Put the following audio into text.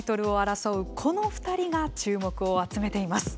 この２人が注目を集めています。